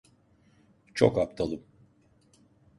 Çok aptalım!